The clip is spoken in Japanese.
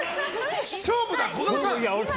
勝負だ！